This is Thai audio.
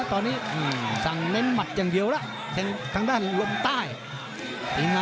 แต่มัดมวยอะไรก็เกิดขึ้นได้นะ